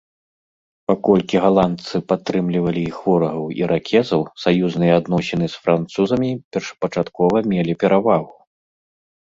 Паколькі галандцы падтрымлівалі іх ворагаў-іракезаў, саюзныя адносіны з французамі першапачаткова мелі перавагу.